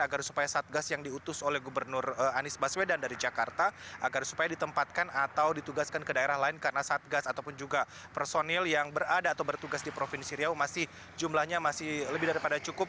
agar supaya satgas yang diutus oleh gubernur anies baswedan dari jakarta agar supaya ditempatkan atau ditugaskan ke daerah lain karena satgas ataupun juga personil yang berada atau bertugas di provinsi riau masih jumlahnya masih lebih daripada cukup